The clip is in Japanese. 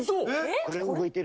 これ、動いてる？